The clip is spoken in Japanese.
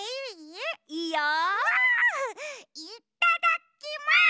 いっただきます！